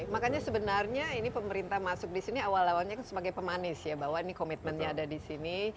makanya sebenarnya ini pemerintah masuk di sini awal awalnya sebagai pemanis ya bahwa ini komitmennya ada di sini